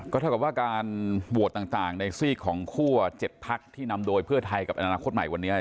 เท่ากับว่าการโหวตต่างในซีกของคั่ว๗พักที่นำโดยเพื่อไทยกับอนาคตใหม่วันนี้